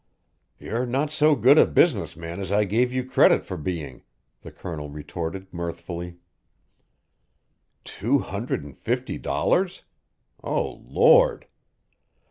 "You're not so good a business man as I gave you credit for being," the Colonel retorted mirthfully "Two hundred and fifty dollars! Oh, Lord!